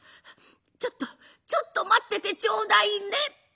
ちょっとちょっと待っててちょうだいね」。